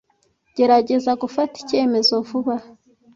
Gerageza gufata icyemezo vuba.